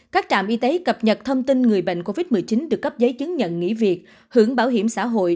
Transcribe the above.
các trạm y tế cập nhật thông tin người bệnh covid một mươi chín được cấp giấy chứng nhận nghỉ việc hưởng bảo hiểm xã hội